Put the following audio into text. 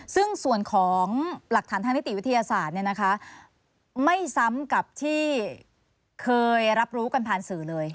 ซึ่งส่วนของหลักฐานทางนิติวิทยาศาสตร์ไม่ซ้ำกับที่เคยรับรู้กันผ่านสื่อเลย